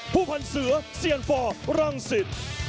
ผู้พันศึกษ์เซียนฟอร์รังสิทธิ์